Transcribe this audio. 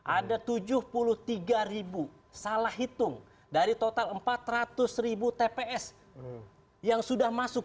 ada tujuh puluh tiga ribu salah hitung dari total empat ratus ribu tps yang sudah masuk